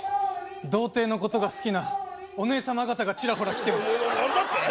童貞のことが好きなお姉様方がちらほら来てますな何だって！？